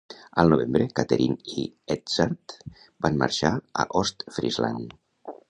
Al novembre, Catherine i Edzard van marxar a Ostfriesland.